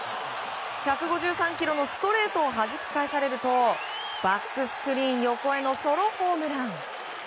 １５３キロのストレートをはじき返されるとバックスクリーン横へのソロホームラン。